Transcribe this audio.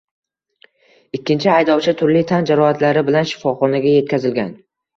Ikkinchi haydovchi turli tan jarohatlari bilan shifoxonaga yetkazilgan